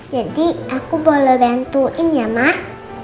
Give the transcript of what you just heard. jadi aku boleh bantuin ya mah